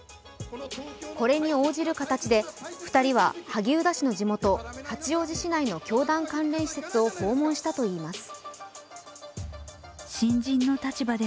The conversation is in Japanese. これに応じる形で２人は萩生田氏の地元・八王子市内の教団関連施設を訪問したといいます。